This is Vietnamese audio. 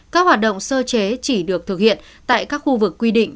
các hoạt động sơ chế chỉ được thực hiện tại các khu vực quy định